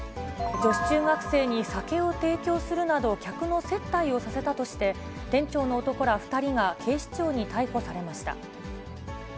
女子中学生に酒を提供するなど、客の接待をさせたとして、店長の男ら２人が警視庁に逮捕されました。